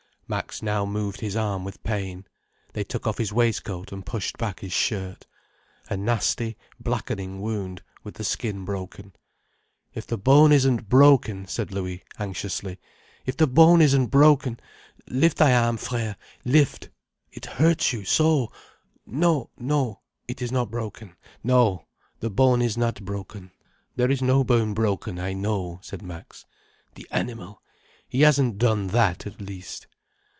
Max now moved his arm with pain. They took off his waistcoat and pushed back his shirt. A nasty blackening wound, with the skin broken. "If the bone isn't broken!" said Louis anxiously. "If the bone isn't broken! Lift thy arm, frère—lift. It hurts you—so—. No—no—it is not broken—no—the bone is not broken." "There is no bone broken, I know," said Max. "The animal. He hasn't done that, at least."